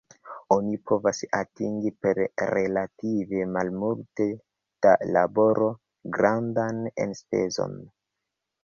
Oni povas atingi per relative malmulte da laboro grandan enspezon.